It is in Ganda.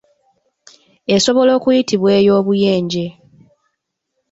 Esobola okuyitibwa ey'obuyenje.